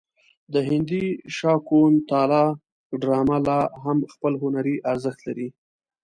د هندي شاکونتالا ډرامه لا هم خپل هنري ارزښت لري.